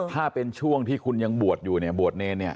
ถ้าเป็นช่วงที่คุณยังบวชอยู่บวชนี่